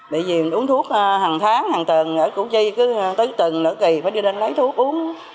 bởi vì mình uống thuốc hàng tháng hàng tuần ở củ chi cứ tới tuần nửa kỳ phải đi lên lấy thuốc uống